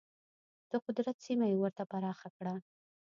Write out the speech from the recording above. د قدرت سیمه یې ورته پراخه کړه.